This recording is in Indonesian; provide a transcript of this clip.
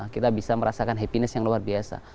kita bisa merasakan happiness yang luar biasa